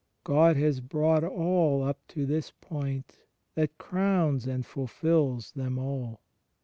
God has brought all up to this point that crowns and fulfils them all.